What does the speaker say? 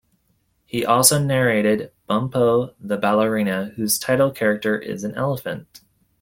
He also narrated "Bumpo the Ballerina", whose title character is an elephant.